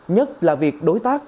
nhất là việc đối tác